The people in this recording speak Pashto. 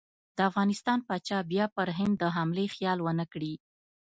د افغانستان پاچا بیا پر هند د حملې خیال ونه کړي.